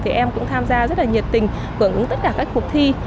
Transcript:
thì em cũng tham gia rất là nhiệt tình gần tất cả các cuộc thi